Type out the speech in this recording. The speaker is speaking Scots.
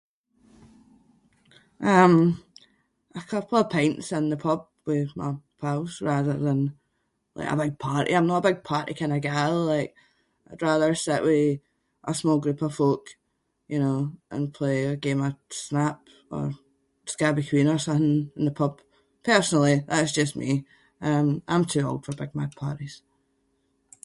Um a couple of pints in the pub with my pals rather than like a big party. I’m no a big party kind of gal. Like, I’d rather sit with a small group of folk, you know, and play a game of snap or scabby queen or something in the pub. Personally, that’s just me. Um I’m too auld for big mad parties.